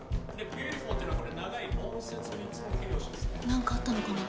何かあったのかな？